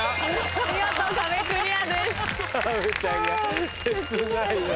見事壁クリアです。